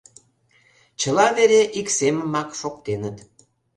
Чыла вере ик семымак шоктеныт.